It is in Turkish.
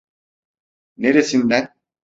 Neresinden?